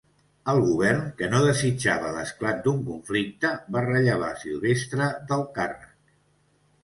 El govern, que no desitjava l'esclat d'un conflicte, va rellevar Silvestre del càrrec.